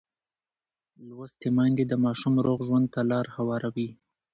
لوستې میندې د ماشوم روغ ژوند ته لار هواروي.